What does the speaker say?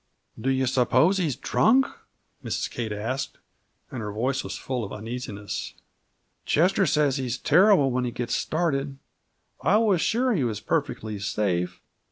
"Do you suppose he's drunk?" Mrs. Kate asked, and her voice was full of uneasiness. "Chester says he's terrible when he gets started. I was sure he was perfectly safe!